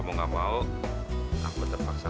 nuh gue ga berhasilan